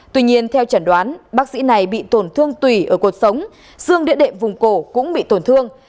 tuy nhiên theo chẳng đoán bác sĩ này bị tổn thương tùy ở cuộc sống xương địa đệ vùng cổ cũng bị tổn thương